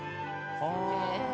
「へえ」